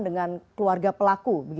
dengan keluarga pelaku